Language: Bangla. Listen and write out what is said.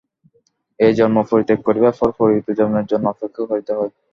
এই জন্ম পরিত্যাগ করিবার পর পরবর্তী জন্মের জন্য অপেক্ষা করিতে হয়।